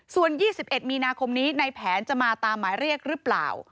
ส่วน๒๑มีนาคมนี้ในแผนจะมาตามหมายเรียกหรือเปล่า